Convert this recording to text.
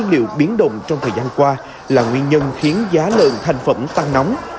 các nguyên liệu biến động trong thời gian qua là nguyên nhân khiến giá lợn thành phẩm tăng nóng